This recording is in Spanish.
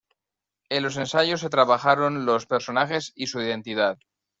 En los ensayos se trabajaron los personajes y su identidad.